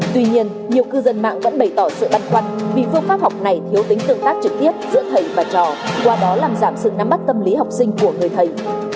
tuy nhiên nhiều cư dân mạng vẫn bày tỏ sự băn khoăn vì phương pháp học này thiếu tính tương tác trực tiếp giữa thầy và trò qua đó làm giảm sự nắm bắt tâm lý học sinh của người thầy